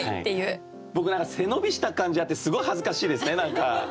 僕背伸びした感じあってすごい恥ずかしいですね何か。